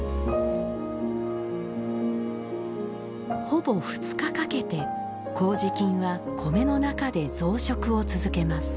ほぼ２日かけて麹菌は米の中で増殖を続けます